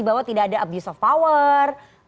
bahwa tidak ada abuse of power